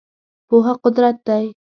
پوهه قدرت دی .